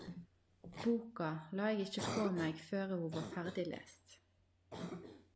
Boka la eg ikkje frå meg føre ho var ferdiglest.